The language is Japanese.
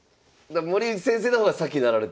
森内先生の方が先になられてる。